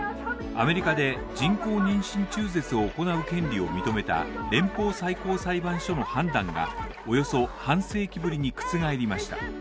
アメリカで人工妊娠中絶を行う権利を認めた連邦最高裁判所の判断がおよそ半世紀ぶりに覆りました。